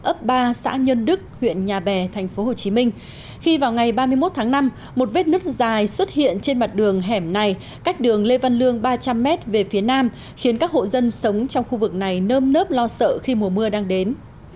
ấp ba xã nhân đức huyện nhà bè tp hcm khi vào ngày ba mươi một tháng năm một vết nứt dài xuất hiện trên mặt đường hẻm này cách đường lê văn lương ba trăm linh m về phía nam khiến các hộ dân sống trong khu vực này nơm nớp lo sợ khi mùa mưa đang đến